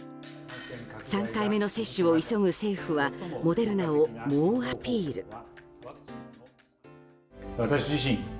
３回目の接種を急ぐ政府はモデルナを猛アピール。